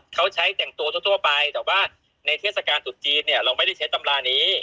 เขาใช้แต่งตัวทั่วไปแต่ว่าในเทศกาลตรุษจีนเนี่ยเราไม่ได้ใช้ตำรานี้